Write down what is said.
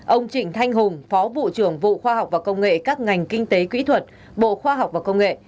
ông trịnh thanh hùng phó vụ trưởng vụ khoa học và công nghệ các ngành kinh tế kỹ thuật bộ khoa học và công nghệ